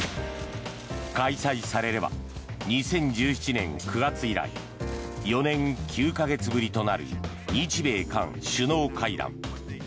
開催されれば２０１７年９月以来４年９か月ぶりとなる日米韓首脳会談。